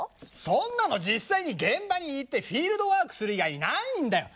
そんなの実際に現場に行ってフィールドワークする以外にないんだよ。